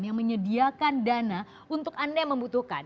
yang menyediakan dana untuk anda yang membutuhkan